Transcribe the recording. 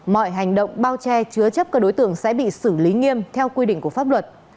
mọi hành động bao che chứa chấp các đối tượng sẽ bị xử lý nghiêm theo quy định của pháp luật